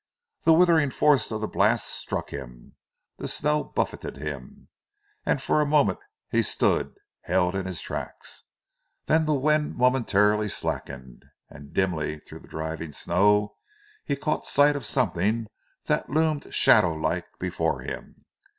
The withering force of the blast struck him, the snow buffeted him, and for a moment he stood held in his tracks, then the wind momentarily slackened, and dimly through the driving snow he caught sight of something that loomed shadowlike before him.